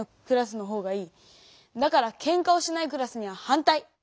だから「ケンカをしないクラス」にははんたい！